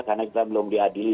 karena kita belum diadili